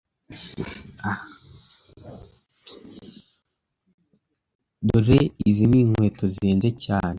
Dore Izi ninkweto zihenze cyane